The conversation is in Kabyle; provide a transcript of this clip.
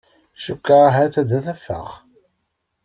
Cukkeɣ ahat ad t-afeɣ